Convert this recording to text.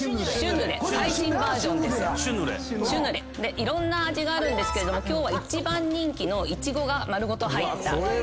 いろんな味があるんですけれど今日は一番人気のイチゴが丸ごと入った。